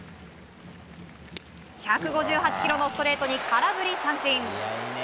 １５８キロのストレートに空振り三振。